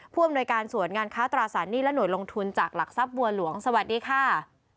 อำนวยการสวนงานค้าตราสารหนี้และหน่วยลงทุนจากหลักทรัพย์บัวหลวงสวัสดีค่ะ